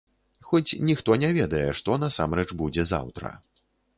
Хоць ніхто не ведае, што насамрэч будзе заўтра.